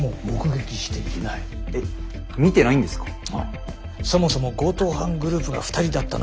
そもそも強盗犯グループが２人だったのは間違いないか？